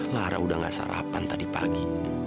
lara udah gak sarapan tadi pagi